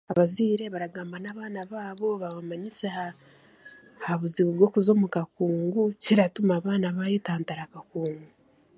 Abazaire baragamba n'abaana babo babamanyise aha buzibu bw'okuza omu kakungu kiratuma abaana bayetantara akakungu.